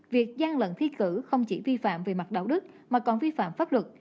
việc gian lận thi cử không chỉ vi phạm về mặt đạo đức mà còn vi phạm pháp luật